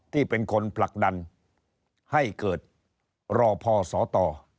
ที่เป็นคนผลักดันให้เกิดรอพอสต